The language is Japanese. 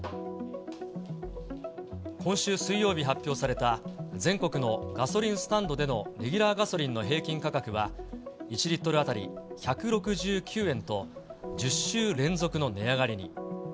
今週水曜日発表された全国のガソリンスタンドでのレギュラーガソリンの平均価格は１リットル当たり１６９円と、１０週連続の値上がりに。